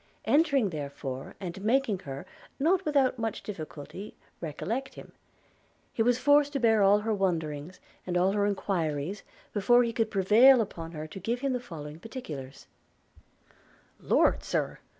– Entering therefore, and making her, not without much difficulty, recollect him; he was forced to bear all her wondering, and all her enquiries, before he could prevail upon her to give him the following particulars: 'Lord, Sir!